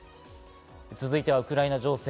続いてはウクライナ情勢。